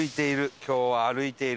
今日は歩いている。